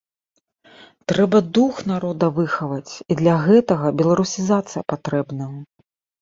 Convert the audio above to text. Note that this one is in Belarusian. Трэба дух народа выхаваць, і для гэтага беларусізацыя патрэбная.